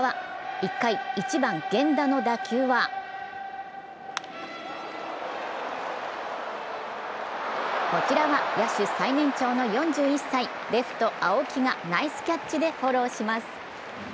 １回、１番・源田の打球はこちらは野手最年長の４１歳、レフト・青木がナイスキャッチでフォローします